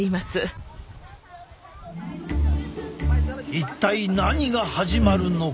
一体何が始まるのか？